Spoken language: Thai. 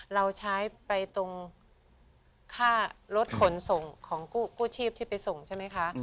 เราใช้ไปตรงค่ารถขนส่งของกู้ชีพที่ไปส่งใช่ไหมคะ